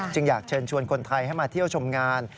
อยากเชิญชวนคนไทยให้มาเที่ยวชมงาน